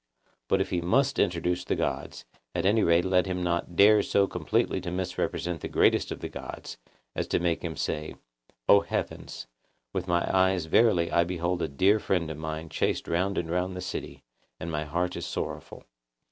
But if he must introduce the gods, at any rate let him not dare so completely to misrepresent the greatest of the gods, as to make him say— 'O heavens! with my eyes verily I behold a dear friend of mine chased round and round the city, and my heart is sorrowful.